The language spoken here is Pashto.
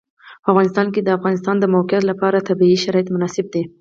په افغانستان کې د د افغانستان د موقعیت لپاره طبیعي شرایط مناسب دي.